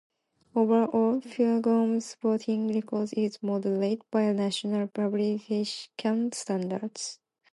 Overall, Ferguson's voting record is moderate by national Republican standards.